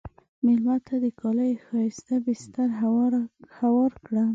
مېلمه ته د کالي ښایسته بستر هوار کړه.